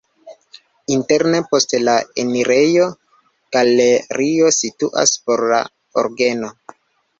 Interne post la enirejo galerio situas por la orgeno.